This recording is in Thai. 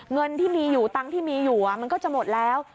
เงินที่มีอยู่ตังค์ที่มีอยู่มันก็จะหมดแล้ว